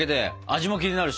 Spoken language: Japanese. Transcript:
味も気になるし。